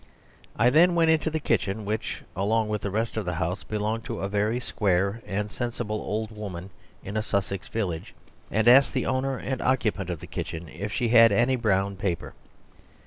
I then went into the kitchen (which, along with the rest of the house, belonged to a very square and sensible old woman in a Sussex village), and asked the owner and occupant of the kitchen if she had any brown paper.